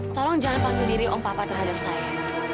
tolong jangan pandu diri om papa terhadap saya